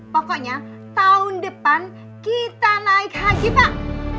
pokoknya tahun depan kita naik haji pak